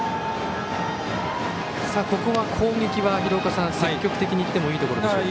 ここは、攻撃は積極的にいってもいいですか？